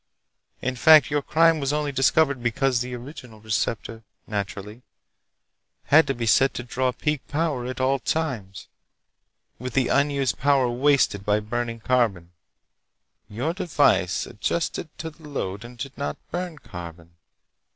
In fact, your crime was only discovered because the original receptor—naturally—had to be set to draw peak power at all times, with the unused power wasted by burning carbon. Your device adjusted to the load and did not burn carbon.